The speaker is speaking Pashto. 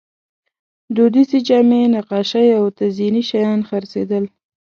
دودیزې جامې، نقاشۍ او تزییني شیان خرڅېدل.